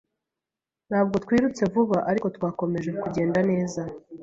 Ntabwo twirutse vuba, ariko twakomeje kugenda neza.